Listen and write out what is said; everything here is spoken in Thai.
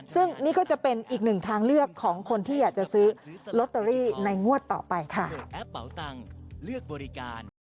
ซึ่งนี่ก็จะเป็นอีกหนึ่งทางเลือกของคนที่อยากจะซื้อลอตเตอรี่ในงวดต่อไปค่ะ